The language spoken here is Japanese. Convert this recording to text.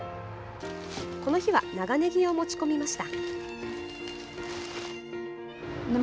この日は長ねぎを持ち込みました。